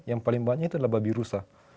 yang paling banyak itu adalah babi rusa